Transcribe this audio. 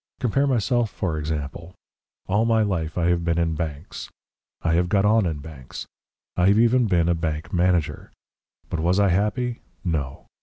Compare myself, for example. All my life I have been in banks I have got on in banks. I have even been a bank manager. But was I happy? No.